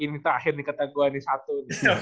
ini atas akhir nih kata gue ini satu